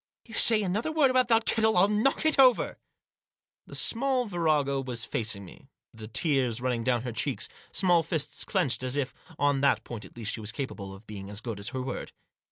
"If you say another word about that kettle I'll knock it over !" The small virago was facing me, the tears running down her cheeks, her small fists clenched, as if, on that point at least, she was capable of being as good as her word.